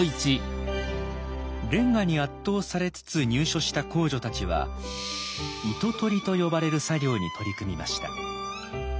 レンガに圧倒されつつ入所した工女たちは「糸とり」と呼ばれる作業に取り組みました。